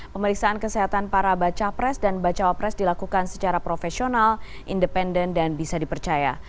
pemeriksaan kesehatan para baca pres dan bacawa pres dilakukan secara profesional independen dan bisa dipercaya